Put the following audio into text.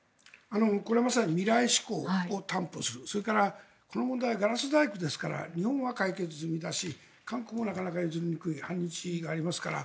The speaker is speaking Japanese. これはまさに未来志向を担保するそれからこの問題はガラス細工ですから日本は解決済みだし韓国もなかなか譲りにくい反日がありますから。